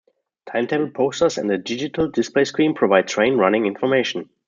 Timetable posters and a digital display screen provide train running information.